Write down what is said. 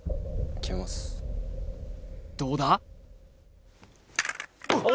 どうだ？